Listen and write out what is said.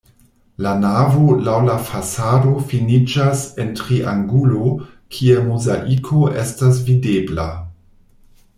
La navo laŭ la fasado finiĝas en triangulo, kie mozaiko estas videbla.